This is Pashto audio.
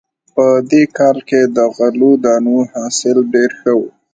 په دې کال کې د غلو دانو حاصل ډېر ښه و